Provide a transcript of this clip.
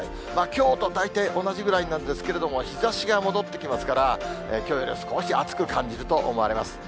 きょうと大体同じぐらいなんですけれども、日ざしが戻ってきますから、きょうより少し暑く感じると思われます。